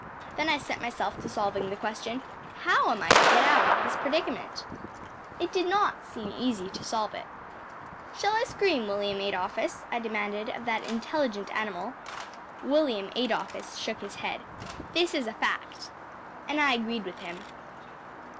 Then I set myself to solving the question, “How am I to get out of this predicament?‚ÄĚ It did not seem easy to solve it. “Shall I scream, William Adolphus?‚ÄĚ I demanded of that intelligent animal. William Adolphus shook his head. This is a fact. And I agreed with him.